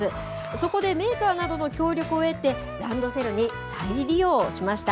そこでメーカーなどの協力を得てランドセルに再利用しました。